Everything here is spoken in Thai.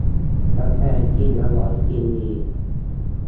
กาแฟกินอร่อยกินดี